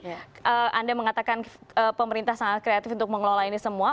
jadi anda mengatakan pemerintah sangat kreatif untuk mengelola ini semua